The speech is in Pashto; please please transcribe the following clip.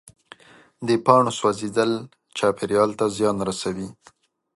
د پاڼو سوځېدل چاپېریال ته زیان رسوي.